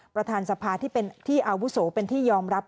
ประธานสภาที่เป็นที่อาวุโสเป็นที่ยอมรับ